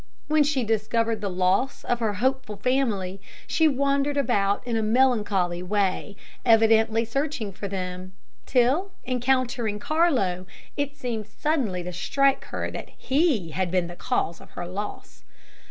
When she discovered the loss of her hopeful family, she wandered about in a melancholy way, evidently searching for them, till, encountering Carlo, it seemed suddenly to strike her that he had been the cause of her loss.